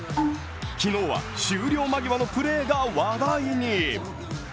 昨日は終了間際のプレーが話題に。